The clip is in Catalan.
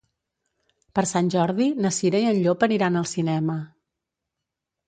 Per Sant Jordi na Cira i en Llop aniran al cinema.